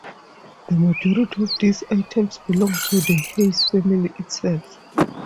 The majority of these items belonged to the Heys family itself.